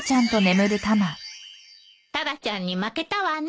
タラちゃんに負けたわね。